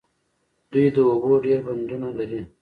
دوی د اوبو ډیر بندونه لري.